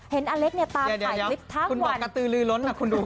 เห็นอเล็กเนี่ยตามใส่คลิปทางวันเดี๋ยวคุณบอกกระตือรือร้นค่ะคุณดูก่อน